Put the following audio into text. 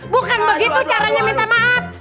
bukan begitu caranya minta maaf